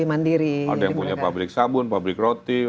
ada yang punya pabrik sabun pabrik roti